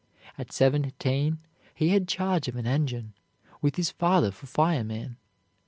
At seventeen he had charge of an engine, with his father for fireman.